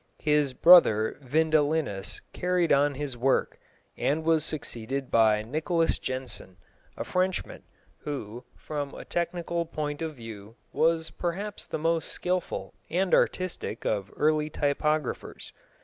His brother Vindelinus carried on his work, and was succeeded by Nicolas Jenson, a Frenchman, who, from a technical point of view, was perhaps the most skilful and artistic of early typographers.